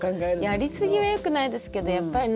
やりすぎはよくないですけど何だろう